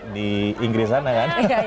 di inggris sana kan